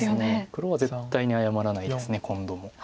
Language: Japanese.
黒は絶対に謝らないです今度も。